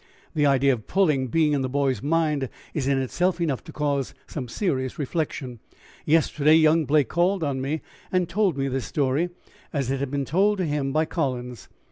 The idea of 'pulling' being in the boy's mind is in itself enough to cause serious reflection. Yesterday young Blake called on me and told me this story as it had been told to him by Collins.